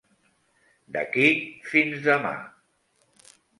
D'aquí, fins demà.